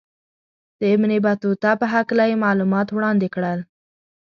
د ابن بطوطه په هکله یې معلومات وړاندې کړل.